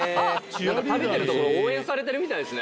食べてるところ応援されてるみたいですね。